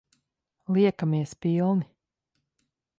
Liekamies pilni.